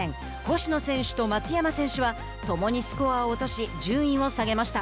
星野選手と松山選手はともにスコアを落とし順位を下げました。